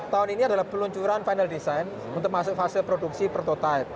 tahun ini adalah peluncuran final design untuk masuk fase produksi prototipe